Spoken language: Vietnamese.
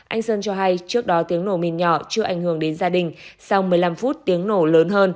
anh sơn cho hay trước đó tiếng nổ mìn nhỏ chưa ảnh hưởng đến gia đình sau một mươi năm phút tiếng nổ lớn hơn